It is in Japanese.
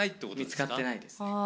見つかってないですね。